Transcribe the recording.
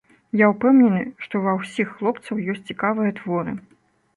Я ўпэўнены, што ва ўсіх хлопцаў ёсць цікавыя творы.